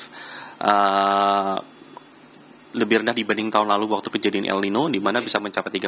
yang lebih rendah dibanding tahun lalu waktu kejadian el nino di mana bisa mencapai tiga